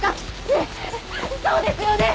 ねっそうですよね？